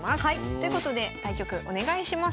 ということで対局お願いします。